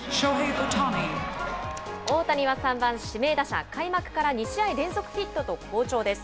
大谷は３番指名打者、開幕から２試合連続ヒットと好調です。